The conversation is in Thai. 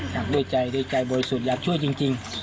อยากด้วยใจด้วยใจบริสุทธิ์อยากช่วยจริง